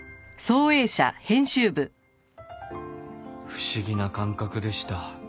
不思議な感覚でした。